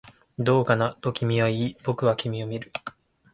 どうかな、と君は言い、僕は君を見る